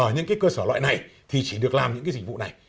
những cơ sở loại này thì chỉ được làm những dịch vụ này